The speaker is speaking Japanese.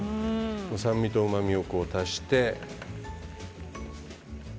酸味とうまみを足して。